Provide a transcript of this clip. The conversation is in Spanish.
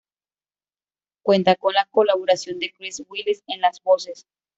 Cuenta con la colaboración de Chris Willis en las voces.